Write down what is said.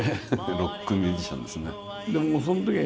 ロックミュージシャンですね。